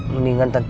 lu ingat tanti